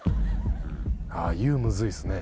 「ゆ」むずいっすね。